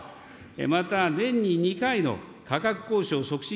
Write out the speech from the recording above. また、年に２回の価格交渉促進